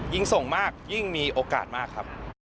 ยิ่งส่งมากยิ่งมีโอกาสมากครับ